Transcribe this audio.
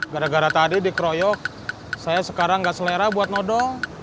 gara gara tadi dikeroyok saya sekarang gak selera buat nodo